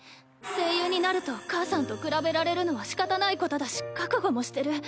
声優になると母さんと比べられるのはしかたないことだし覚悟もしてる。